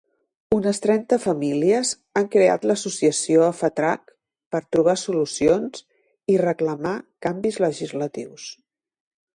Unes trenta famílies han creat l'associació Afatrac, per trobar solucions i reclamar canvis legislatius.